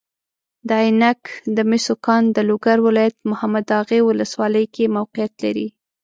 د عینک د مسو کان د لوګر ولایت محمداغې والسوالۍ کې موقیعت لري.